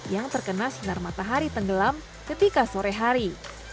yang terkena sinar matahari tenggelam ketika sore hari